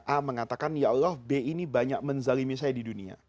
a mengatakan ya allah b ini banyak menzalimi saya di dunia